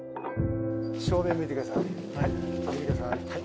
正面向いてください